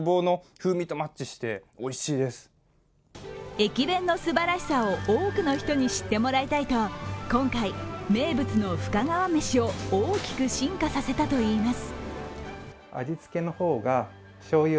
駅弁のすばらしさを多くの人に知ってもらいたいと今回、名物の深川めしを大きく進化させたといいます。